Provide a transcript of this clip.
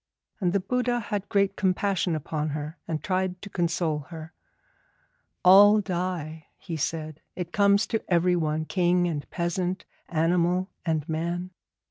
And the Buddha had great compassion upon her, and tried to console her. 'All die,' he said; 'it comes to everyone, king and peasant, animal and man.